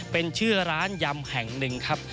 เป็นชื่อร้านยำแห่งหนึ่งครับ